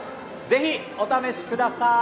ぜひお試しください！